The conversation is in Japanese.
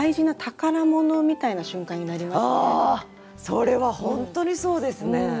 それは本当にそうですね！